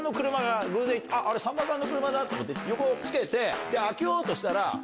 さんまさんの車だ！と思って横つけて開けようとしたら。